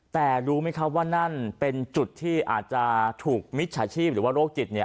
แต่รู้ไหมครับว่านั่นเป็นจุดที่อาจจะถูกมิจฉาชีพหรือว่าโรคจิตเนี่ย